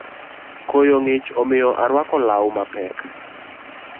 Koyo ng’ich omiyo arwako law mapek